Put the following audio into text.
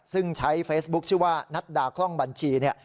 ซึ่งใช้เฟซบุ๊คชื่อว่านัดดาคล่องบัญชีเนี่ย